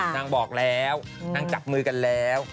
นางบอกแล้วนางจับมือกันแล้ว